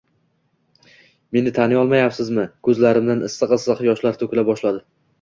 -Meni taniyolmayapsizmi? – Ko’zlarimdan issiq-issiq yoshlar to’kila boshladi.